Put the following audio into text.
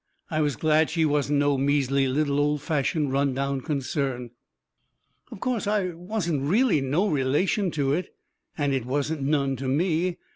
I was glad she wasn't no measly, little, old fashioned, run down concern. Of course, I wasn't really no relation to it and it wasn't none to me.